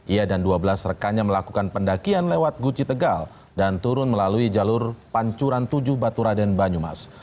ia dan dua belas rekannya melakukan pendakian lewat guci tegal dan turun melalui jalur pancuran tujuh baturaden banyumas